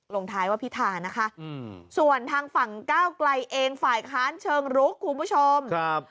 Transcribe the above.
ลงท้ายว่าพิธานะคะส่วนทางฝั่งก้าวไกลเองฝ่ายค้านเชิงรุกคุณผู้ชม